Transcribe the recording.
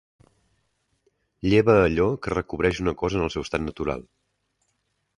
Lleva allò que recobreix una cosa en el seu estat natural.